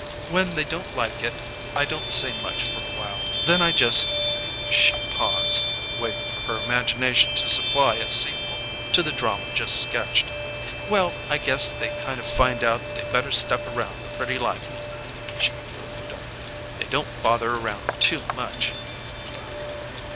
When they don't like it I don't say much for a while, then I just " She paused, waiting for her imagination to supply a sequel to the drama just sketched. "Well, I guess they kind of find out they better step around pretty lively," she concluded darkly. "They don't bother around too much!"